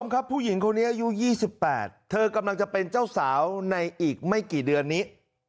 ครับผู้หญิงคนนี้อายุ๒๘เธอกำลังจะเป็นเจ้าสาวในอีกไม่กี่เดือนนี้